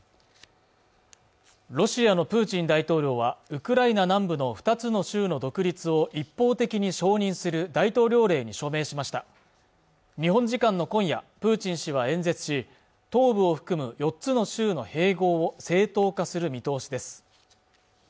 ロシアのプーチン大統領はウクライナ南部の２つの州の独立を一方的に承認する大統領令に署名しました日本時間の今夜プーチン氏は演説し東部を含む４つの州の併合を正当化する見通しです